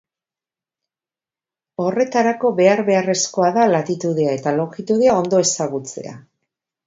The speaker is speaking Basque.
Horretarako behar-beharrezkoa da latitudea eta longitudea ondo ezagutzea.